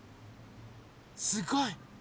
すごい！